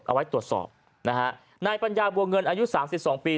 เอาไว้ตรวจสอบนายปัญญาบัวเงินอายุ๓๒ปี